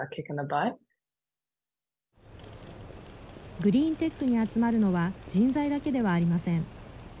グリーンテックに集まるのは人材だけではありません。